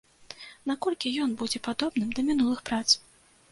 Наколькі ён будзе падобным да мінулых прац?